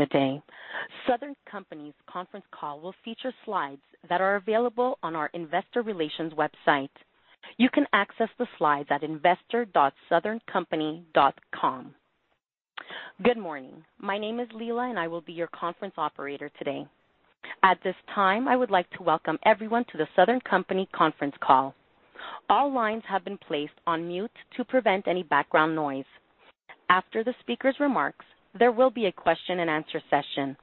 Good day. Southern Company's conference call will feature slides that are available on our investor relations website. You can access the slides at investor.southerncompany.com. Good morning. My name is Leila, and I will be your conference operator today. At this time, I would like to welcome everyone to the Southern Company conference call. All lines have been placed on mute to prevent any background noise. After the speaker's remarks, there will be a question and answer session.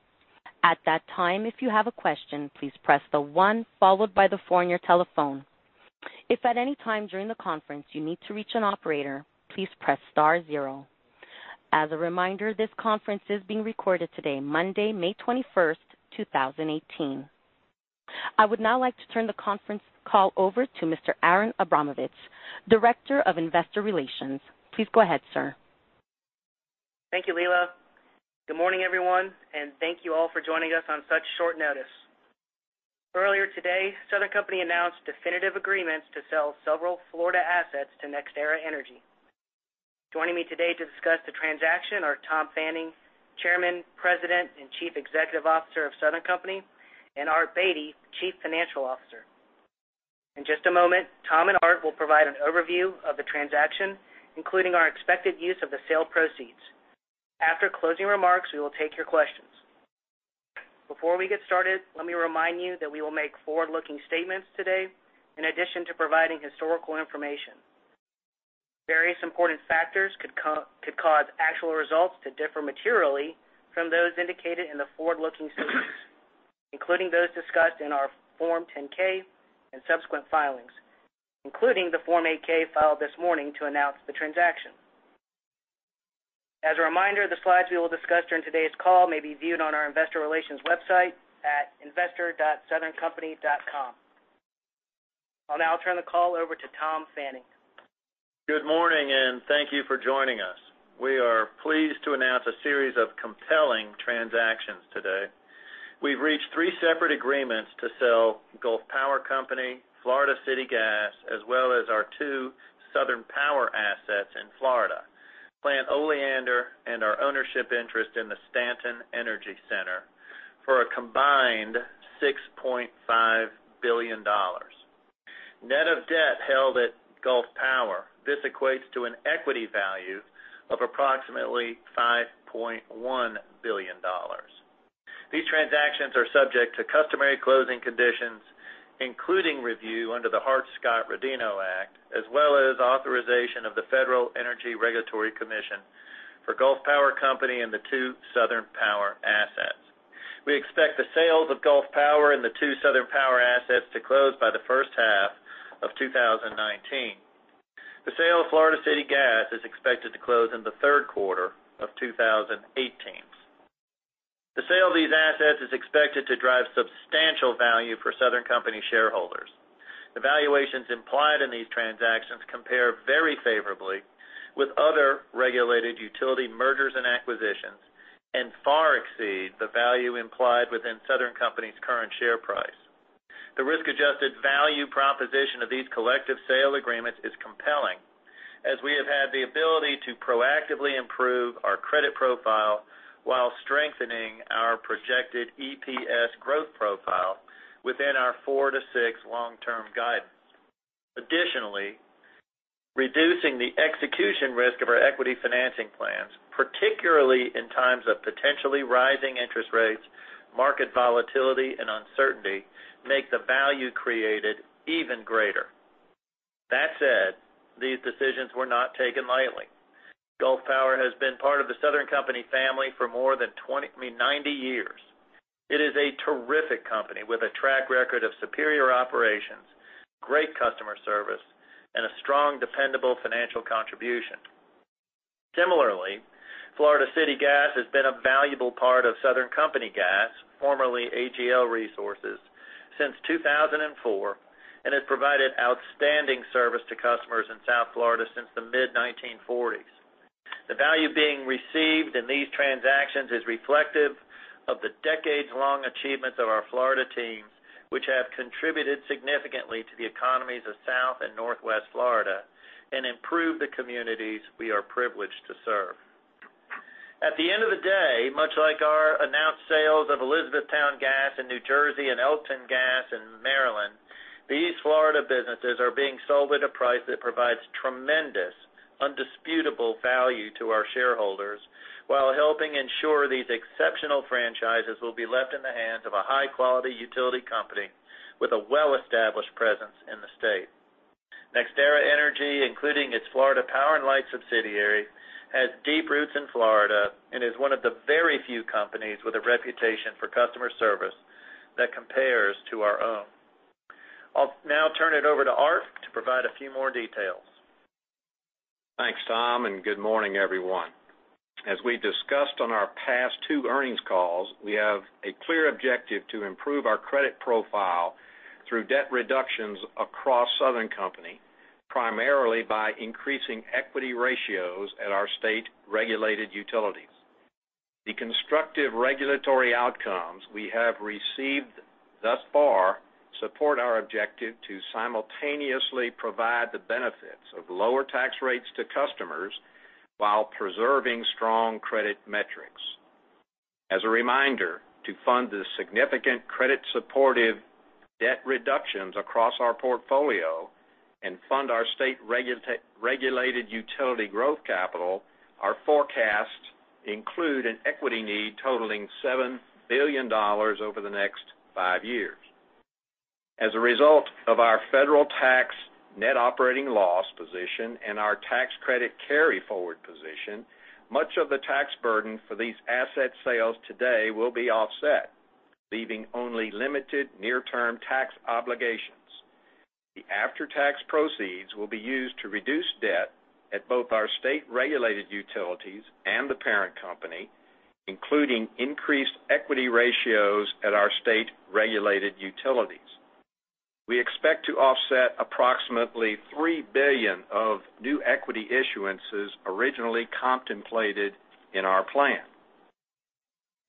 At that time, if you have a question, please press the one followed by the four on your telephone. If at any time during the conference you need to reach an operator, please press star zero. As a reminder, this conference is being recorded today, Monday, May 21st, 2018. I would now like to turn the conference call over to Mr. Aaron Abramovitz, Director of Investor Relations. Please go ahead, sir. Thank you, Leila. Good morning, everyone, and thank you all for joining us on such short notice. Earlier today, Southern Company announced definitive agreements to sell several Florida assets to NextEra Energy. Joining me today to discuss the transaction are Tom Fanning, Chairman, President, and Chief Executive Officer of Southern Company, and Art Beattie, Chief Financial Officer. In just a moment, Tom and Art will provide an overview of the transaction, including our expected use of the sale proceeds. After closing remarks, we will take your questions. Before we get started, let me remind you that we will make forward-looking statements today in addition to providing historical information. Various important factors could cause actual results to differ materially from those indicated in the forward-looking statements, including those discussed in our Form 10-K and subsequent filings, including the Form 8-K filed this morning to announce the transaction. As a reminder, the slides we will discuss during today's call may be viewed on our investor relations website at investor.southerncompany.com. I'll now turn the call over to Tom Fanning. Good morning, and thank you for joining us. We are pleased to announce a series of compelling transactions today. We've reached three separate agreements to sell Gulf Power Company, Florida City Gas, as well as our two Southern Power assets in Florida, Plant Oleander and our ownership interest in the Stanton Energy Center, for a combined $6.5 billion. Net of debt held at Gulf Power, this equates to an equity value of approximately $5.1 billion. These transactions are subject to customary closing conditions, including review under the Hart-Scott-Rodino Act, as well as authorization of the Federal Energy Regulatory Commission for Gulf Power Company and the two Southern Power assets. We expect the sales of Gulf Power and the two Southern Power assets to close by the first half of 2019. The sale of Florida City Gas is expected to close in the third quarter of 2018. The sale of these assets is expected to drive substantial value for Southern Company shareholders. The valuations implied in these transactions compare very favorably with other regulated utility mergers and acquisitions and far exceed the value implied within Southern Company's current share price. The risk-adjusted value proposition of these collective sale agreements is compelling, as we have had the ability to proactively improve our credit profile while strengthening our projected EPS growth profile within our four to six long-term guidance. Additionally, reducing the execution risk of our equity financing plans, particularly in times of potentially rising interest rates, market volatility, and uncertainty, make the value created even greater. That said, these decisions were not taken lightly. Gulf Power has been part of the Southern Company family for more than 20, I mean, 90 years. It is a terrific company with a track record of superior operations, great customer service, and a strong, dependable financial contribution. Similarly, Florida City Gas has been a valuable part of Southern Company Gas, formerly AGL Resources, since 2004 and has provided outstanding service to customers in South Florida since the mid-1940s. The value being received in these transactions is reflective of the decades-long achievements of our Florida teams, which have contributed significantly to the economies of South and Northwest Florida and improved the communities we are privileged to serve. At the end of the day, much like our announced sales of Elizabethtown Gas in New Jersey and Elkton Gas in Maryland, these Florida businesses are being sold at a price that provides tremendous, undisputable value to our shareholders while helping ensure these exceptional franchises will be left in the hands of a high-quality utility company with a well-established presence in the state. NextEra Energy, including its Florida Power & Light subsidiary, has deep roots in Florida and is one of the very few companies with a reputation for customer service that compares to our own. I'll now turn it over to Art to provide a few more details. Thanks, Tom, good morning, everyone. As we discussed on our past two earnings calls, we have a clear objective to improve our credit profile through debt reductions across Southern Company, primarily by increasing equity ratios at our state-regulated utilities. The constructive regulatory outcomes we have received thus far support our objective to simultaneously provide the benefits of lower tax rates to customers while preserving strong credit metrics. As a reminder, to fund the significant credit supportive debt reductions across our portfolio and fund our state-regulated utility growth capital, our forecasts include an equity need totaling $7 billion over the next five years. As a result of our federal tax net operating loss position and our tax credit carryforward position, much of the tax burden for these asset sales today will be offset, leaving only limited near-term tax obligations. The after-tax proceeds will be used to reduce debt at both our state-regulated utilities and the parent company, including increased equity ratios at our state-regulated utilities. We expect to offset approximately $3 billion of new equity issuances originally contemplated in our plan.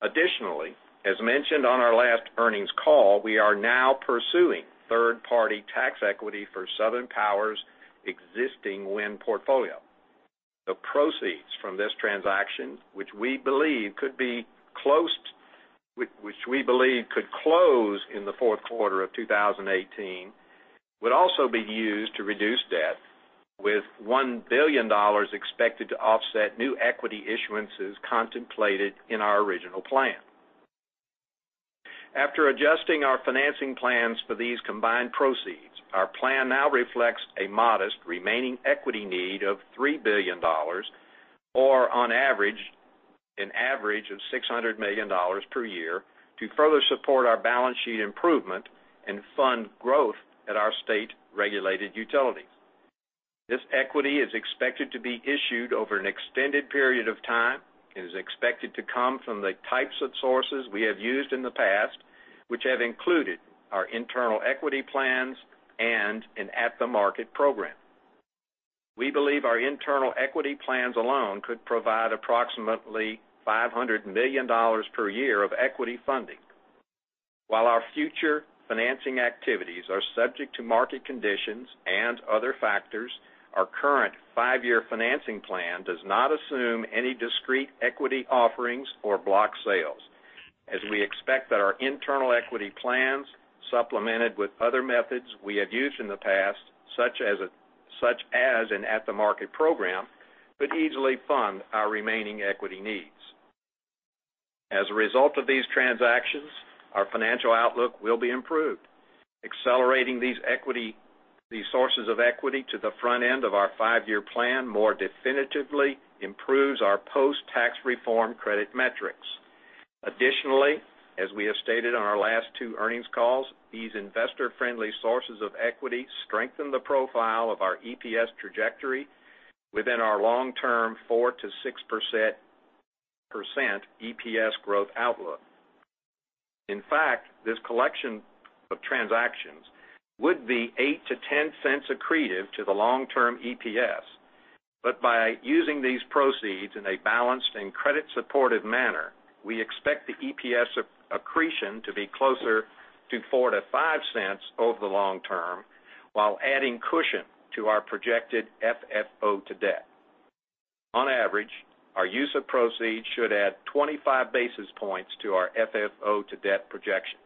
As mentioned on our last earnings call, we are now pursuing third-party tax equity for Southern Power's existing wind portfolio. The proceeds from this transaction, which we believe could close in the fourth quarter of 2018, would also be used to reduce debt, with $1 billion expected to offset new equity issuances contemplated in our original plan. After adjusting our financing plans for these combined proceeds, our plan now reflects a modest remaining equity need of $3 billion or an average of $600 million per year to further support our balance sheet improvement and fund growth at our state-regulated utilities. This equity is expected to be issued over an extended period of time and is expected to come from the types of sources we have used in the past, which have included our internal equity plans and an at-the-market program. We believe our internal equity plans alone could provide approximately $500 million per year of equity funding. While our future financing activities are subject to market conditions and other factors, our current five-year financing plan does not assume any discrete equity offerings or block sales, as we expect that our internal equity plans, supplemented with other methods we have used in the past, such as an at-the-market program, could easily fund our remaining equity needs. As a result of these transactions, our financial outlook will be improved. Accelerating these sources of equity to the front end of our five-year plan more definitively improves our post-tax reform credit metrics. As we have stated on our last two earnings calls, these investor-friendly sources of equity strengthen the profile of our EPS trajectory within our long-term 4%-6% EPS growth outlook. In fact, this collection of transactions would be $0.08-$0.10 accretive to the long-term EPS. By using these proceeds in a balanced and credit-supportive manner, we expect the EPS accretion to be closer to $0.04-$0.05 over the long term while adding cushion to our projected FFO to debt. On average, our use of proceeds should add 25 basis points to our FFO-to-debt projections.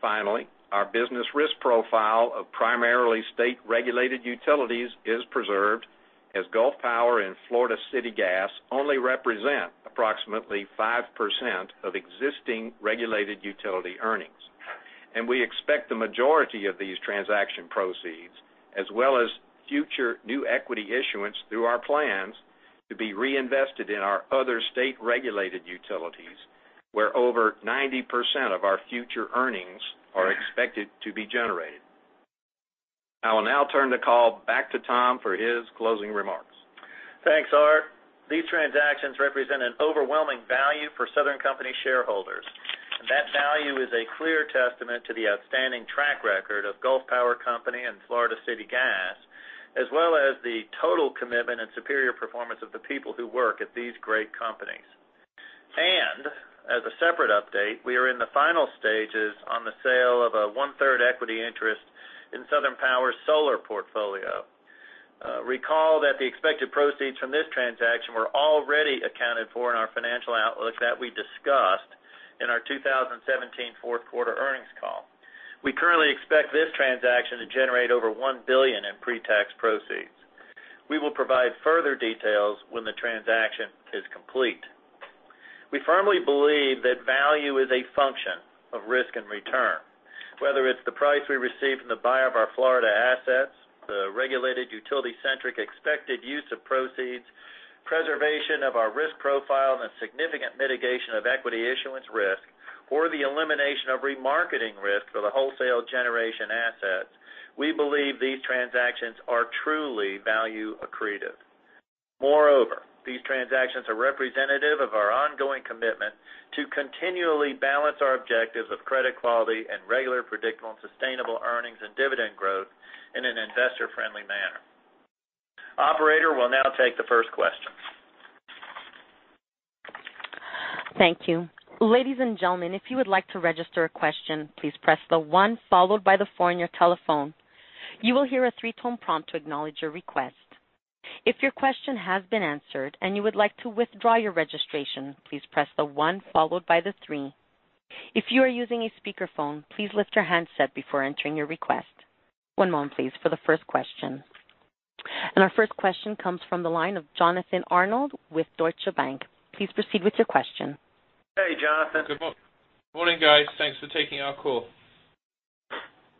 Finally, our business risk profile of primarily state-regulated utilities is preserved, as Gulf Power and Florida City Gas only represent approximately 5% of existing regulated utility earnings. We expect the majority of these transaction proceeds, as well as future new equity issuance through our plans, to be reinvested in our other state-regulated utilities, where over 90% of our future earnings are expected to be generated. I will now turn the call back to Tom for his closing remarks. Thanks, Art. These transactions represent an overwhelming value for Southern Company shareholders. That value is a clear testament to the outstanding track record of Gulf Power Company and Florida City Gas, as well as the total commitment and superior performance of the people who work at these great companies. As a separate update, we are in the final stages on the sale of a one-third equity interest in Southern Power's solar portfolio. Recall that the expected proceeds from this transaction were already accounted for in our financial outlook that we discussed in our 2017 fourth quarter earnings call. We currently expect this transaction to generate over $1 billion in pre-tax proceeds. We will provide further details when the transaction is complete. We firmly believe that value is a function of risk and return. Whether it's the price we receive from the buyer of our Florida assets, the regulated utility-centric expected use of proceeds, preservation of our risk profile, and significant mitigation of equity issuance risk, or the elimination of remarketing risk for the wholesale generation assets, we believe these transactions are truly value accretive. Moreover, these transactions are representative of our ongoing commitment to continually balance our objectives of credit quality and regular, predictable, and sustainable earnings and dividend growth in an investor-friendly manner. Operator, we'll now take the first question Thank you. Ladies and gentlemen, if you would like to register a question, please press the one followed by the four on your telephone. You will hear a three-tone prompt to acknowledge your request. If your question has been answered and you would like to withdraw your registration, please press the one followed by the three. If you are using a speakerphone, please lift your handset before entering your request. One moment please for the first question. Our first question comes from the line of Jonathan Arnold with Deutsche Bank. Please proceed with your question. Hey, Jonathan. Good morning, guys. Thanks for taking our call.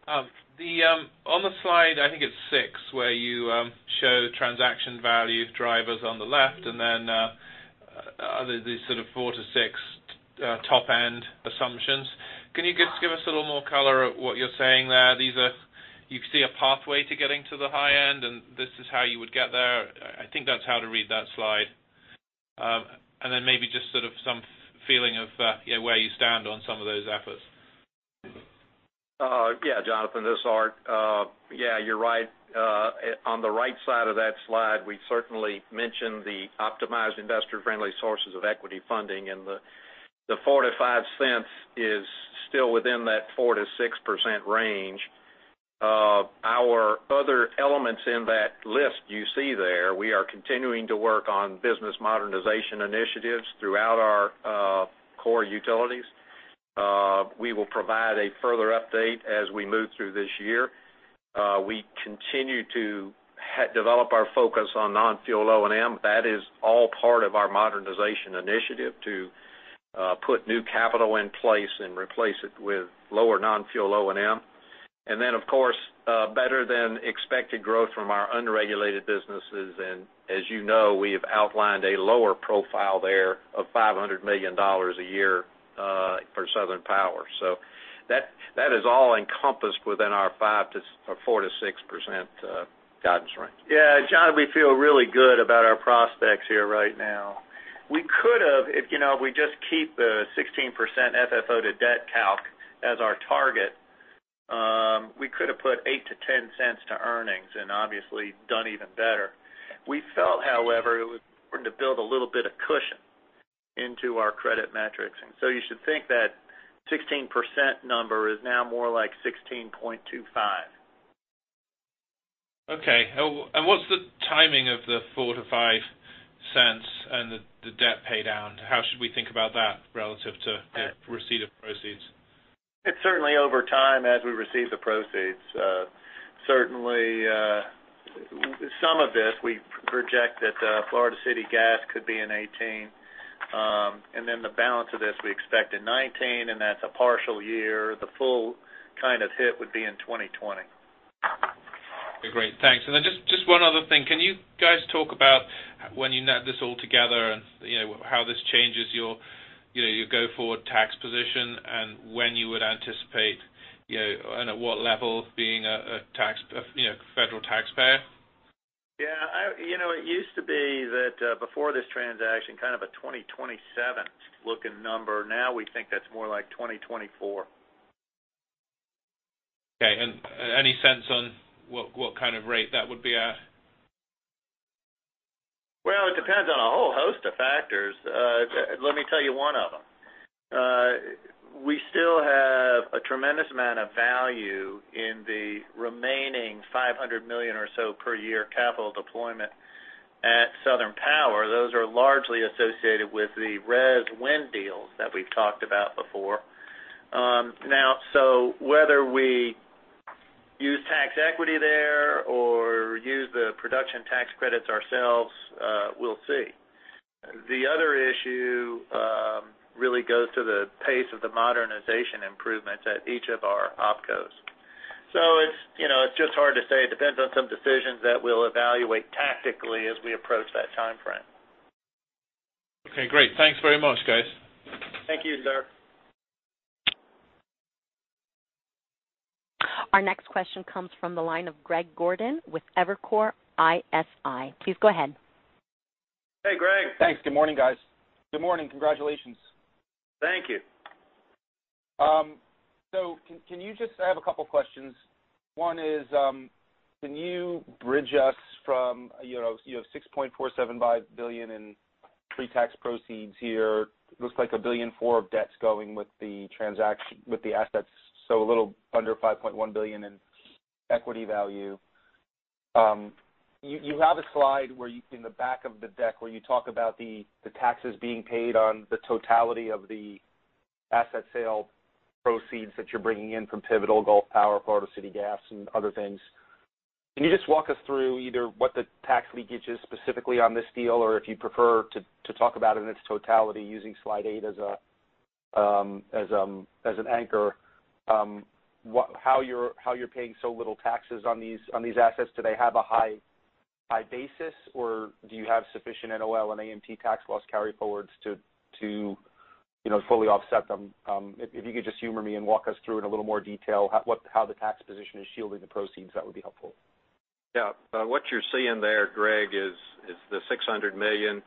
On the slide, I think it's six, where you show transaction value drivers on the left and then these sort of 4 to 6 top-end assumptions. Can you give us a little more color of what you're saying there? You see a pathway to getting to the high end, and this is how you would get there. I think that's how to read that slide. Maybe just sort of some feeling of where you stand on some of those efforts. Jonathan, this is Art. You're right. On the right side of that slide, we certainly mentioned the optimized investor-friendly sources of equity funding. The $0.04 to $0.05 is still within that 4%-6% range. Our other elements in that list you see there, we are continuing to work on business modernization initiatives throughout our core utilities. We will provide a further update as we move through this year. We continue to develop our focus on non-fuel O&M. That is all part of our modernization initiative to put new capital in place and replace it with lower non-fuel O&M. Of course, better than expected growth from our unregulated businesses. As you know, we have outlined a lower profile there of $500 million a year for Southern Power. That is all encompassed within our 4%-6% guidance range. John, we feel really good about our prospects here right now. We could have, if we just keep the 16% FFO to debt calc as our target, we could have put $0.08 to $0.10 to earnings and obviously done even better. We felt, however, it was important to build a little bit of cushion into our credit metrics. You should think that 16% number is now more like 16.25. Okay. What's the timing of the $0.04 to $0.05 and the debt pay down? How should we think about that relative to the receipt of proceeds? It's certainly over time as we receive the proceeds. Certainly, some of this we project that Florida City Gas could be in 2018. Then the balance of this we expect in 2019, and that's a partial year. The full kind of hit would be in 2020. Okay, great. Thanks. Just one other thing. Can you guys talk about when you net this all together and how this changes your go-forward tax position and when you would anticipate and at what level being a federal taxpayer? Yeah. It used to be that before this transaction, kind of a 2027-looking number. Now we think that's more like 2024. Okay. Any sense on what kind of rate that would be at? It depends on a whole host of factors. Let me tell you one of them. We still have a tremendous amount of value in the remaining $500 million or so per year capital deployment at Southern Power. Those are largely associated with the residential wind deals that we've talked about before. Whether we use tax equity there or use the production tax credits ourselves, we'll see. The other issue really goes to the pace of the modernization improvements at each of our OpCos. It's just hard to say. It depends on some decisions that we'll evaluate tactically as we approach that timeframe. Okay, great. Thanks very much, guys. Thank you, sir. Our next question comes from the line of Greg Gordon with Evercore ISI. Please go ahead. Hey, Greg. Thanks. Good morning, guys. Good morning. Congratulations. Thank you. I have a couple questions. One is can you bridge us from your $6.475 billion in pre-tax proceeds here? It looks like $1.4 billion of debt's going with the assets. A little under $5.1 billion in equity value. You have a slide in the back of the deck where you talk about the taxes being paid on the totality of the asset sale proceeds that you're bringing in from Pivotal, Gulf Power, Florida City Gas, and other things. Can you just walk us through either what the tax leakage is specifically on this deal, or if you prefer to talk about it in its totality using slide eight as an anchor, how you're paying so little taxes on these assets? Do they have a high basis, or do you have sufficient NOL and AMT tax loss carryforwards to fully offset them? If you could just humor me and walk us through in a little more detail how the tax position is shielding the proceeds, that would be helpful. Yeah. What you're seeing there, Greg, is the $600 million.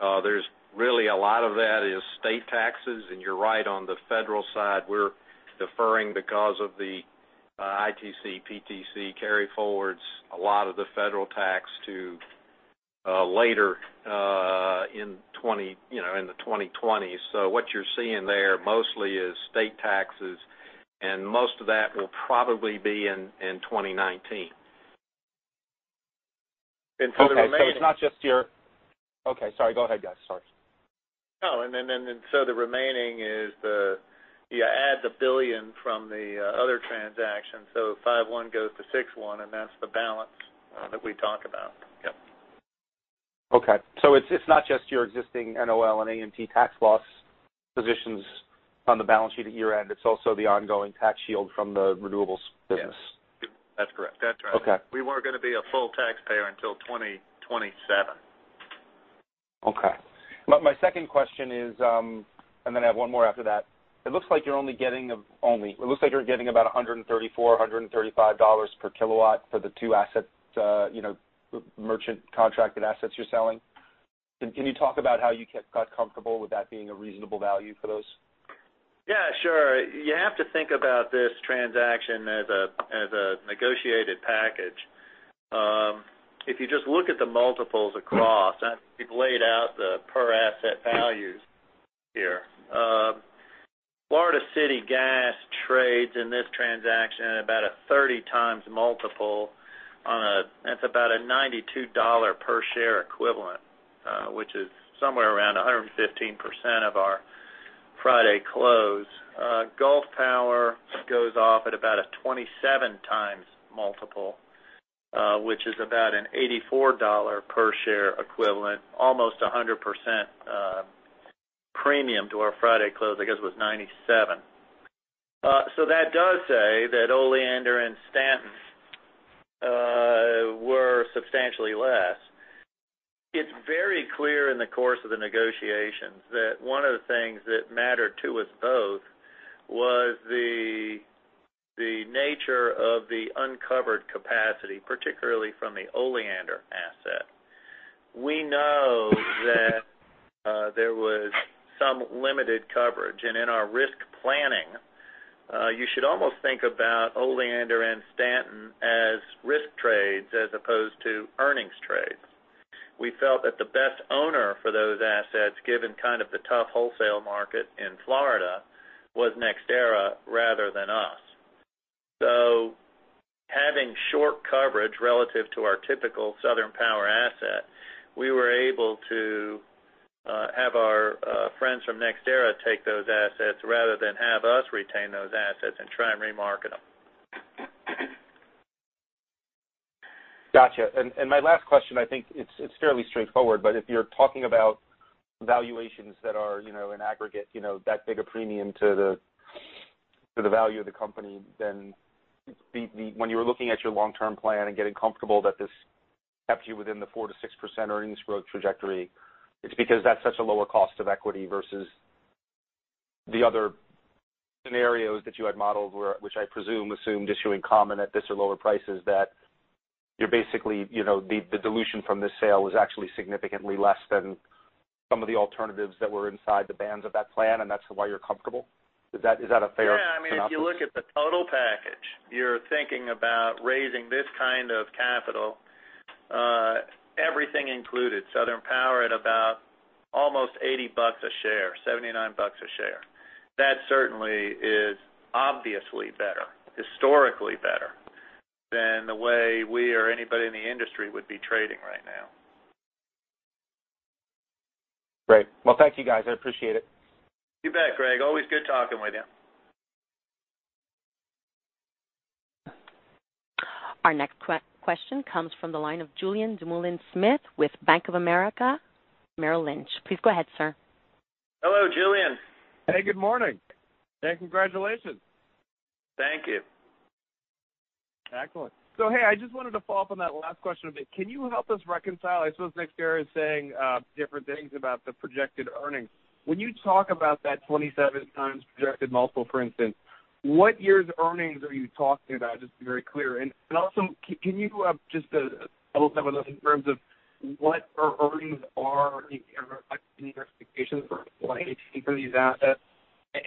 There's really a lot of that is state taxes. You're right on the federal side, we're deferring because of the ITC, PTC carryforwards a lot of the federal tax to later in the 2020s. What you're seeing there mostly is state taxes, and most of that will probably be in 2019. For the remaining. Okay, sorry. Go ahead, guys. No. The remaining is you add the $1 billion from the other transaction, $5.1 goes to $6.1, that's the balance that we talk about. Yep. It's not just your existing NOL and AMT tax loss positions on the balance sheet at year-end, it's also the ongoing tax shield from the renewables business. Yes. That's correct. That's right. Okay. We weren't going to be a full taxpayer until 2027. My second question is, then I have one more after that. It looks like you're only getting about $134, $135 per kilowatt for the two merchant contracted assets you're selling. Can you talk about how you got comfortable with that being a reasonable value for those? Yeah, sure. You have to think about this transaction as a negotiated package. If you just look at the multiples across, we've laid out the per asset values here. Florida City Gas trades in this transaction at about a 30 times multiple, that's about a $92 per share equivalent, which is somewhere around 115% of our Friday close. Gulf Power goes off at about a 27 times multiple, which is about an $84 per share equivalent. Almost 100% premium to our Friday close, I guess it was 97. That does say that Oleander and Stanton were substantially less. It's very clear in the course of the negotiations that one of the things that mattered to us both was the nature of the uncovered capacity, particularly from the Oleander asset. We know that there was some limited coverage. In our risk planning, you should almost think about Oleander and Stanton as risk trades as opposed to earnings trades. We felt that the best owner for those assets, given kind of the tough wholesale market in Florida, was NextEra rather than us. Having short coverage relative to our typical Southern Power asset, we were able to have our friends from NextEra take those assets rather than have us retain those assets and try and re-market them. Got you. My last question, I think it's fairly straightforward, if you're talking about valuations that are an aggregate that big a premium to the value of the company, when you were looking at your long-term plan and getting comfortable that this kept you within the 4%-6% earnings growth trajectory, it's because that's such a lower cost of equity versus the other scenarios that you had modeled, which I presume assumed issuing common at this or lower prices, that you're basically the dilution from this sale was actually significantly less than some of the alternatives that were inside the bands of that plan, that's why you're comfortable. Is that a fair synopsis? Yeah. If you look at the total package, you're thinking about raising this kind of capital, everything included. Southern Power at about almost $80 a share, $79 a share. That certainly is obviously better, historically better than the way we or anybody in the industry would be trading right now. Great. Well, thank you, guys. I appreciate it. You bet, Greg. Always good talking with you. Our next question comes from the line of Julien Dumoulin-Smith with Bank of America Merrill Lynch. Please go ahead, sir. Hello, Julien. Hey, good morning. Congratulations. Thank you. Excellent. Hey, I just wanted to follow up on that last question a bit. Can you help us reconcile, I suppose NextEra is saying different things about the projected earnings. When you talk about that 27x projected multiple, for instance, what year's earnings are you talking about, just to be very clear? Also, can you just level with us in terms of what our earnings are in your expectations for these assets,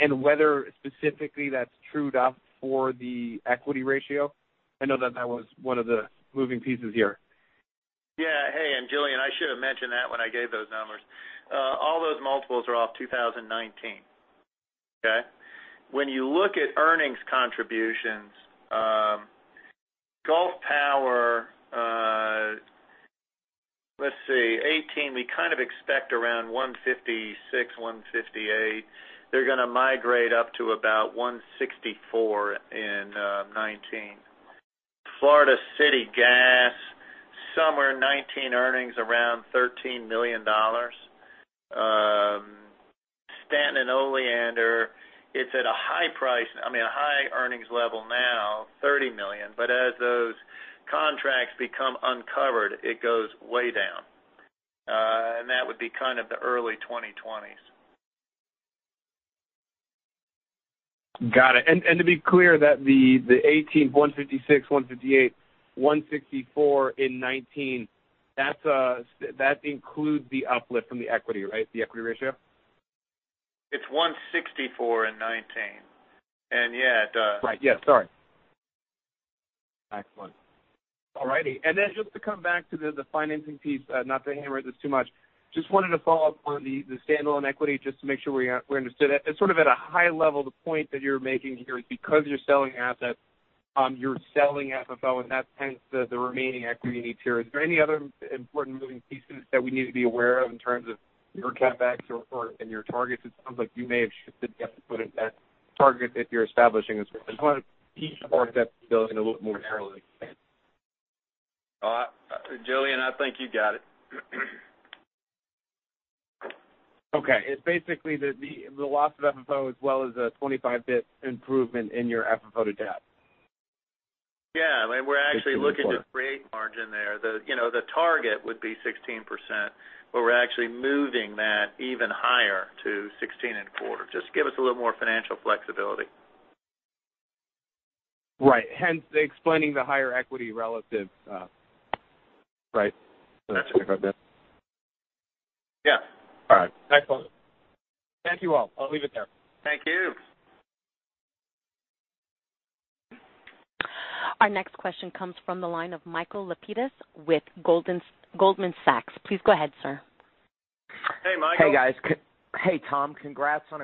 and whether specifically that's trued up for the equity ratio? I know that that was one of the moving pieces here. Yeah. Hey, Julien, I should have mentioned that when I gave those numbers. All those multiples are off 2019. Okay? When you look at earnings contributions, Gulf Power, let's see, 2018, we kind of expect around $156 million, $158 million. They're going to migrate up to about $164 million in 2019. Florida City Gas, somewhere in 2019 earnings around $13 million. Stanton and Oleander, it's at a high price, I mean a high earnings level now, $30 million, but as those contracts become uncovered, it goes way down. That would be kind of the early 2020s. Got it. To be clear, the 2018, $156 million, $158 million, $164 million in 2019, that includes the uplift from the equity, right? The equity ratio? It's $164 million in 2019. Yeah, it. Right. Yeah, sorry. Excellent. All righty. Then just to come back to the financing piece, not to hammer this too much, just wanted to follow up on the standalone equity just to make sure we understood it. It's sort of at a high level, the point that you're making here is because you're selling assets, you're selling FFO, and that's hence the remaining equity you need here. Is there any other important moving pieces that we need to be aware of in terms of your CapEx or your targets? It sounds like you may have shifted, put it that target that you're establishing as well. I just want to tease apart that $1 billion a little more narrowly. Julien, I think you got it. Okay. It's basically the loss of FFO as well as a 25 basis points improvement in your FFO to debt. Yeah. I mean, we're actually looking to create margin there. The target would be 16%, we're actually moving that even higher to 16 and a quarter. Just give us a little more financial flexibility. Right. Hence explaining the higher equity relative, right? To that 25 basis points. Yeah. All right. Excellent. Thank you all. I'll leave it there. Thank you. Our next question comes from the line of Michael Lapides with Goldman Sachs. Please go ahead, sir. Hey, Michael. Hey, guys. Hey, Tom. Congrats on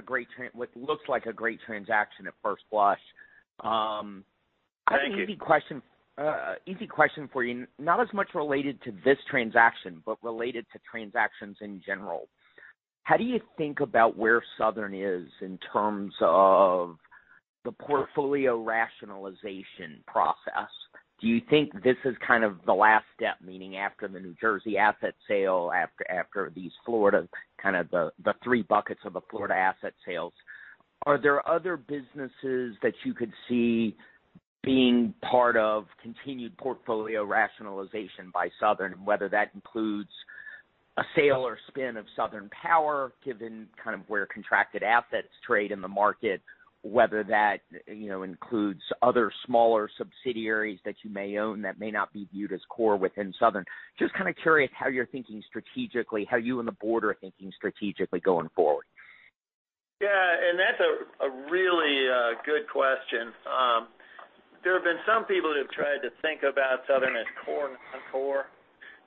what looks like a great transaction at first blush. Thank you. I have an easy question for you, not as much related to this transaction, but related to transactions in general. How do you think about where Southern is in terms of the portfolio rationalization process? Do you think this is kind of the last step, meaning after the New Jersey asset sale, after these Florida, kind of the three buckets of the Florida asset sales? Are there other businesses that you could see being part of continued portfolio rationalization by Southern, whether that includes a sale or spin of Southern Power, given kind of where contracted assets trade in the market, whether that includes other smaller subsidiaries that you may own that may not be viewed as core within Southern? Just kind of curious how you're thinking strategically, how you and the Board are thinking strategically going forward. Yeah. That's a really good question. There have been some people that have tried to think about Southern as core, non-core.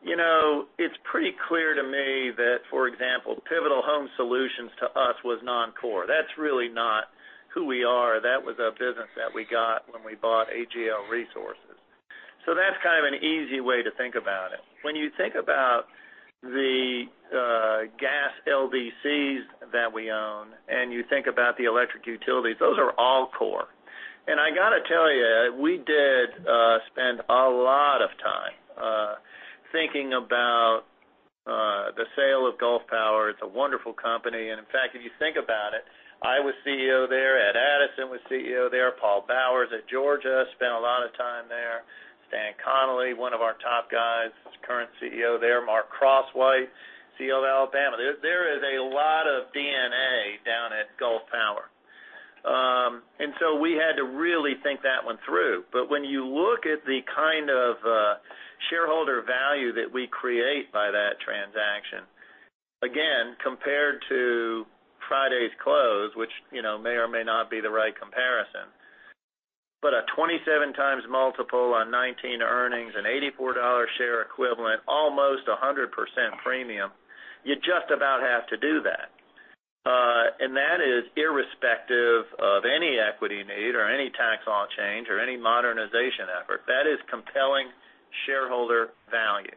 It's pretty clear to me that, for example, Pivotal Home Solutions to us was non-core. That's really not who we are. That was a business that we got when we bought AGL Resources. That's kind of an easy way to think about it. When you think about the gas LDCs that we own and you think about the electric utilities, those are all core. I got to tell you, we did spend a lot of time thinking about the sale of Gulf Power. It's a wonderful company. In fact, if you think about it, I was CEO there. Ed Addison was CEO there. Paul Bowers at Georgia, spent a lot of time there. Stan Connally, one of our top guys, is current CEO there. Mark Crosswhite, CEO of Alabama Power. There is a lot of DNA down at Gulf Power. So we had to really think that one through. When you look at the kind of shareholder value that we create by that transaction, again, compared to Friday's close, which may or may not be the right comparison, but a 27 times multiple on 2019 earnings, an $84 share equivalent, almost a 100% premium, you just about have to do that. That is irrespective of any equity need or any tax law change or any modernization effort. That is compelling shareholder value.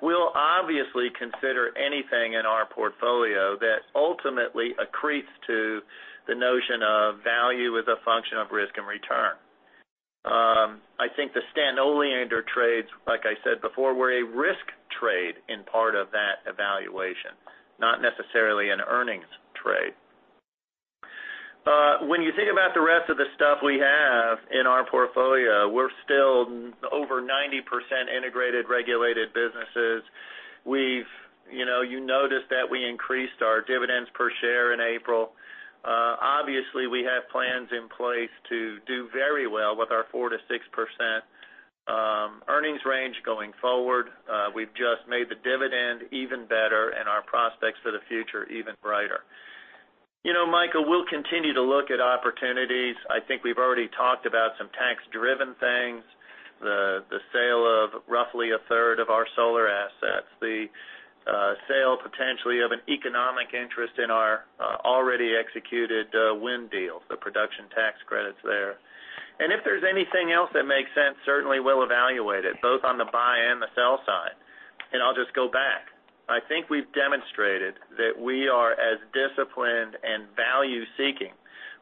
We'll obviously consider anything in our portfolio that ultimately accretes to the notion of value as a function of risk and return. I think the Stanton and Oleander trades, like I said before, were a risk trade in part of that evaluation, not necessarily an earnings trade. When you think about the rest of the stuff we have in our portfolio, we're still over 90% integrated regulated businesses. You noticed that we increased our dividends per share in April. Obviously, we have plans in place to do very well with our 4%-6% earnings range going forward. We've just made the dividend even better and our prospects for the future even brighter. Michael, we'll continue to look at opportunities. I think we've already talked about some tax-driven things. The sale of roughly a third of our solar assets. The sale, potentially, of an economic interest in our already executed wind deals, the production tax credits there. If there's anything else that makes sense, certainly we'll evaluate it, both on the buy and the sell side. I'll just go back. I think we've demonstrated that we are as disciplined and value-seeking,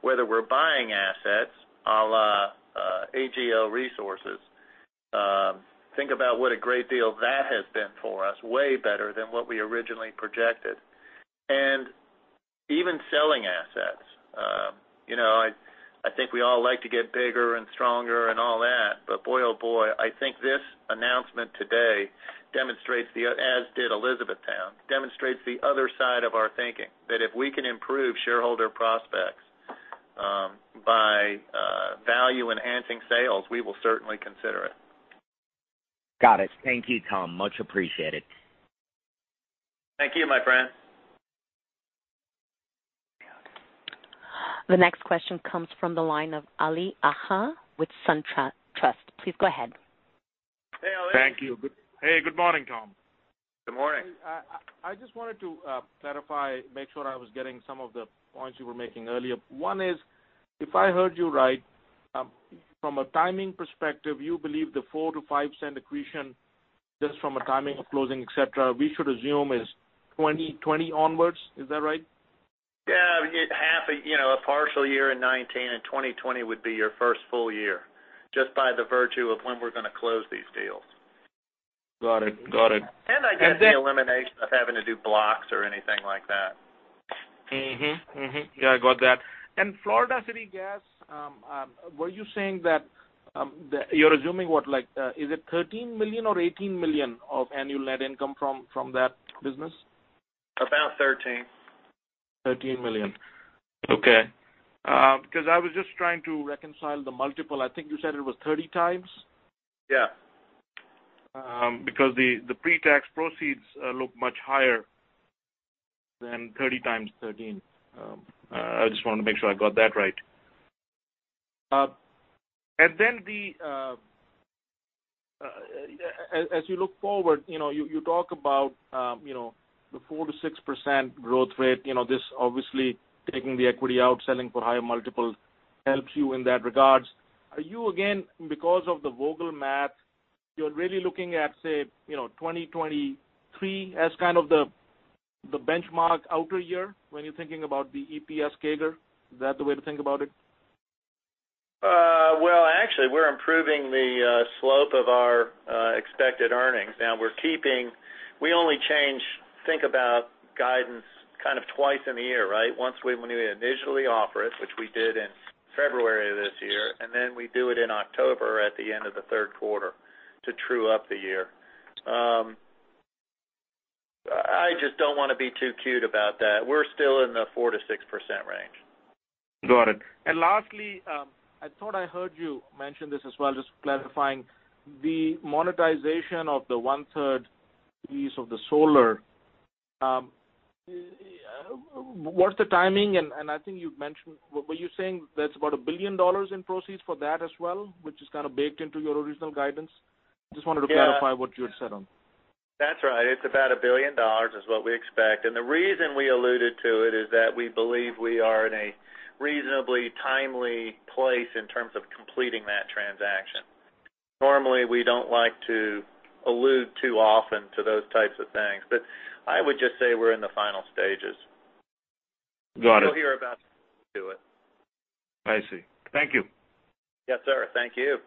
whether we're buying assets, a la AGL Resources. Think about what a great deal that has been for us, way better than what we originally projected. Even selling assets. I think we all like to get bigger and stronger and all that, but boy, oh boy, I think this announcement today demonstrates the, as did Elizabethtown, demonstrates the other side of our thinking, that if we can improve shareholder prospects by value enhancing sales, we will certainly consider it. Got it. Thank you, Tom. Much appreciated. Thank you, my friend. The next question comes from the line of Ali Agha with SunTrust. Please go ahead. Hey, Ali. Thank you. Hey, good morning, Tom. Good morning. I just wanted to clarify, make sure I was getting some of the points you were making earlier. One is, if I heard you right, from a timing perspective, you believe the $0.04-$0.05 accretion just from a timing of closing, et cetera, we should assume is 2020 onwards. Is that right? Yeah. A partial year in 2019, and 2020 would be your first full year, just by the virtue of when we're going to close these deals. Got it. I guess the elimination of having to do blocks or anything like that. Mm-hmm. Yeah, I got that. Florida City Gas, were you saying that you're assuming what, is it $13 million or $18 million of annual net income from that business? About $13. $13 million. Okay. I was just trying to reconcile the multiple. I think you said it was 30 times? Yeah. The pre-tax proceeds look much higher than 30 times 13. I just wanted to make sure I got that right. Then as you look forward, you talk about the 4%-6% growth rate. This obviously taking the equity out, selling for higher multiple helps you in that regards. Are you, again, because of the Vogtle math, you're really looking at, say, 2023 as kind of the benchmark outer year when you're thinking about the EPS CAGR? Is that the way to think about it? Well, actually, we're improving the slope of our expected earnings. Now, we only think about guidance kind of twice in a year, right? Once when we initially offer it, which we did in February of this year, then we do it in October at the end of the third quarter to true up the year. I just don't want to be too cute about that. We're still in the 4%-6% range. Got it. Lastly, I thought I heard you mention this as well, just clarifying the monetization of the one-third piece of the solar. What's the timing? I think you've mentioned, were you saying that's about $1 billion in proceeds for that as well, which is kind of baked into your original guidance? Just wanted to clarify what you had said on. That's right. It's about $1 billion is what we expect. The reason we alluded to it is that we believe we are in a reasonably timely place in terms of completing that transaction. Normally, we don't like to allude too often to those types of things, but I would just say we're in the final stages. Got it. You'll hear about it when we do it. I see. Thank you. Yes, sir. Thank you.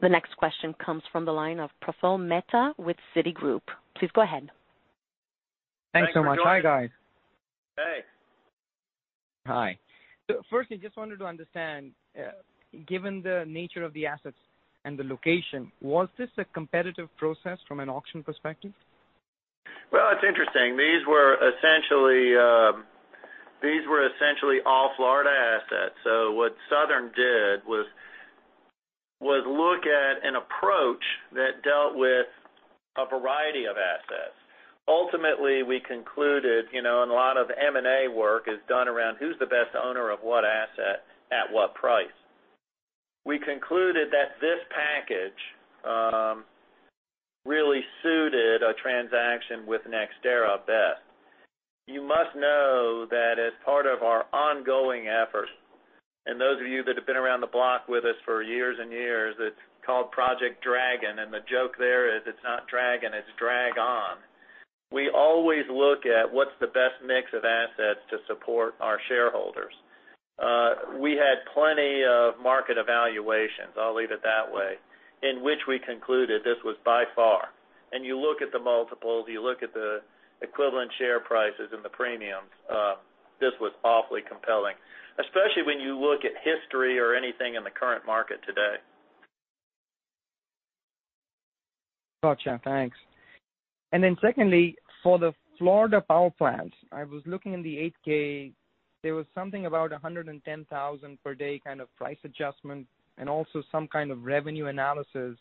The next question comes from the line of Praful Mehta with Citigroup. Please go ahead. Thanks for joining. Thanks so much. Hi, guys. Hey. Hi. Firstly, just wanted to understand, given the nature of the assets and the location, was this a competitive process from an auction perspective? Well, it's interesting. These were essentially all Florida assets. What Southern did was look at an approach that dealt with a variety of assets. Ultimately, we concluded, and a lot of M&A work is done around who's the best owner of what asset at what price. We concluded that this package really suited a transaction with NextEra best. You must know that as part of our ongoing efforts, and those of you that have been around the block with us for years and years, it's called Project Dragon. The joke there is it's not Dragon, it's Drag On. We always look at what's the best mix of assets to support our shareholders. We had plenty of market evaluations, I'll leave it that way, in which we concluded this was by far. You look at the multiples, you look at the equivalent share prices and the premiums. This was awfully compelling, especially when you look at history or anything in the current market today. Gotcha. Thanks. Secondly, for the Florida power plants, I was looking in the 8-K, there was something about $110,000 per day kind of price adjustment and also some kind of revenue analysis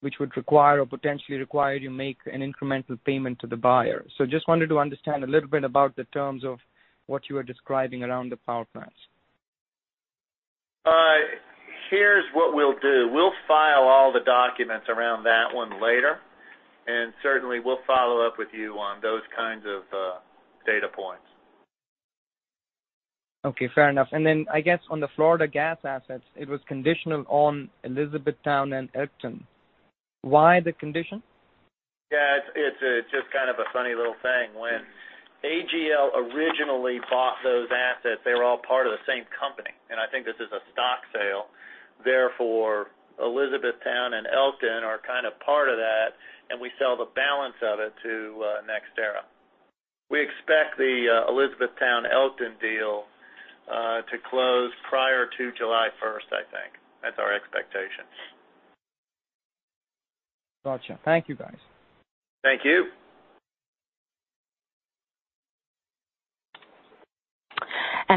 which would require or potentially require you make an incremental payment to the buyer. Just wanted to understand a little bit about the terms of what you were describing around the power plants. Here's what we'll do. We'll file all the documents around that one later, and certainly we'll follow up with you on those kinds of data points. Okay. Fair enough. I guess on the Florida gas assets, it was conditional on Elizabethtown and Elkton. Why the condition? Yeah, it's just kind of a funny little thing. When AGL originally bought those assets, they were all part of the same company, and I think this is a stock sale. Therefore, Elizabethtown and Elkton are kind of part of that, and we sell the balance of it to NextEra. We expect the Elizabethtown/Elkton deal to close prior to July 1st, I think. That's our expectation. Got you. Thank you, guys. Thank you.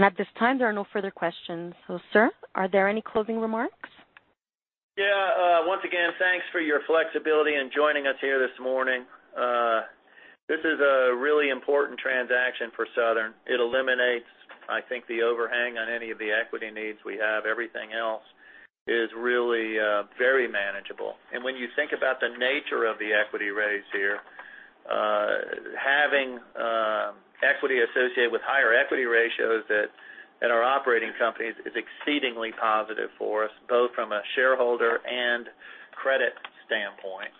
At this time, there are no further questions. Sir, are there any closing remarks? Yeah. Once again, thanks for your flexibility in joining us here this morning. This is a really important transaction for Southern. It eliminates, I think, the overhang on any of the equity needs we have. Everything else is really very manageable. When you think about the nature of the equity raise here, having equity associated with higher equity ratios at our operating companies is exceedingly positive for us, both from a shareholder and credit standpoint.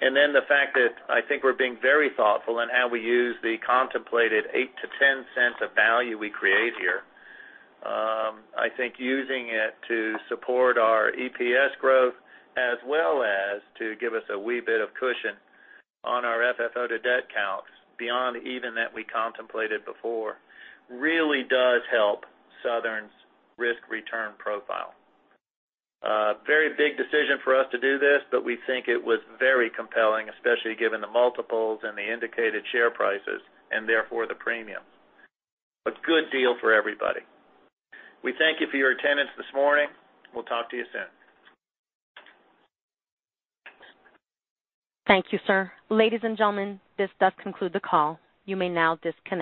Then the fact that I think we're being very thoughtful in how we use the contemplated $0.08-$0.10 of value we create here. I think using it to support our EPS growth as well as to give us a wee bit of cushion on our FFO to debt counts beyond even that we contemplated before really does help Southern's risk return profile. Very big decision for us to do this, we think it was very compelling, especially given the multiples and the indicated share prices and therefore the premium. A good deal for everybody. We thank you for your attendance this morning. We'll talk to you soon. Thank you, sir. Ladies and gentlemen, this does conclude the call. You may now disconnect.